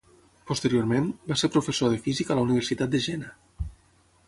Posteriorment, va ser professor de física a la Universitat de Jena.